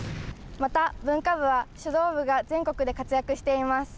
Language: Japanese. また文化部は、書道部が全国で活躍しています。